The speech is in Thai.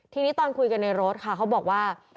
ทีนี้ตอนคุยกันในรถค่ะเขาบอกว่า